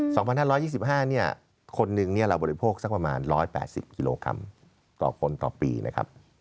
ศ๒๕๒๕คนหนึ่งเราบริโภคสักประมาณ๑๘๐กิโลกรัมต่อคนต่อปีนะครับ